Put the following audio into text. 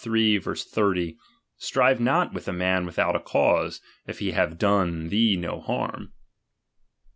30 : Strive not with a man without a cause, if he have done thee no harm.